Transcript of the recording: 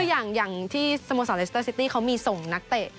อย่างที่สโมสรเลสเตอร์ซิตี้เขามีส่งนักเตะ